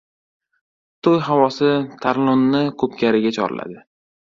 To‘y havosi Tarlonni ko‘pkariga chorladi!